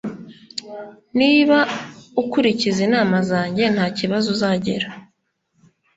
Niba ukurikiza inama zanjye, ntakibazo uzagira